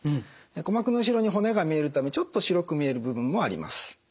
鼓膜の後ろに骨が見えるためちょっと白く見える部分もあります。